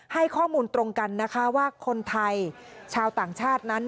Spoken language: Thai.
ให้ข้อมูลตรงกันนะคะว่าคนไทยชาวต่างชาตินั้น